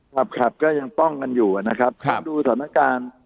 ครับครับก็ยังป้องกันอยู่นะครับต้องดูสถานการณ์